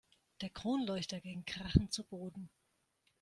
Der Kronleuchter ging krachend zu Boden.